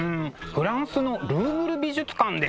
フランスのルーブル美術館です。